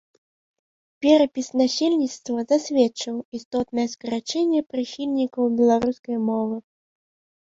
Перапіс насельніцтва засведчыў істотнае скарачэнне прыхільнікаў беларускай мовы.